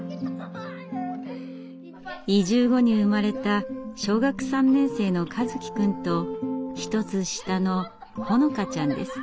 移住後に生まれた小学３年生の和希くんと１つ下の穂乃香ちゃんです。